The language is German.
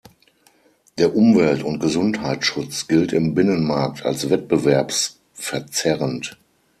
Der Umwelt- und Gesundheitsschutz gilt im Binnenmarkt als wettbewerbsverzerrend.